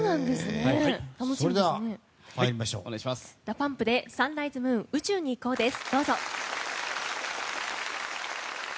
ＤＡＰＵＭＰで「サンライズ・ムーン宇宙に行こう」です。